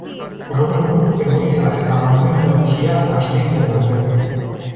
Gaur egun egoitza eta lantegi nagusia Gasteizen daude.